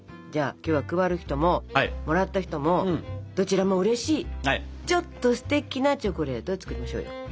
じゃあ今日は配る人ももらった人もどちらもうれしいちょっとステキなチョコレートを作りましょうよ。